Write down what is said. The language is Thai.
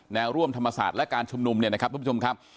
แนวร่วมธรรมศาสตร์และการชุมนุมเนี่ยนะครับทุกผู้ชมครับ